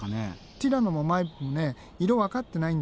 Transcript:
ティラノもマイプもね色わかってないんだよね。